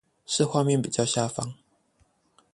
是畫面比較下方